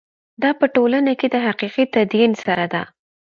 دا په ټولنه کې د حقیقي تدین سره ده.